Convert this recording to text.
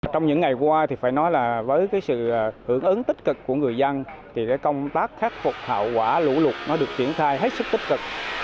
trong những ngày qua phải nói là với sự hưởng ứng tích cực của người dân công tác khát phục hạo quả lũ lụt được triển thai hết sức tích cực